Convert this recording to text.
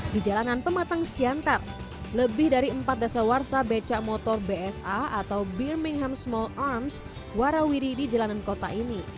di jalanan pematang siantar lebih dari empat dasar warsa becak motor bsa atau birmingham small arms warawiri di jalanan kota ini